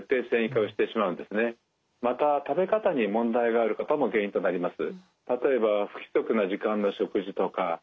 また食べ方に問題がある方も原因となります。